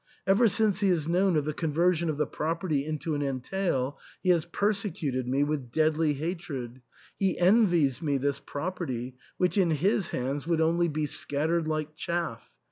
Ever since he has known of the conversion of the property into an entail, he has persecuted me with deadly hatred. He envies me this property, which in his hands would only be scattered like chaff.